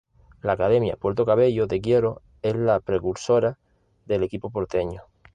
La Academia Puerto Cabello Te Quiero, es la precursora del equipo porteño.